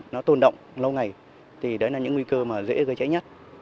nó tồn động lâu ngày thì đấy là những nguy cơ mà dễ gây cháy nhất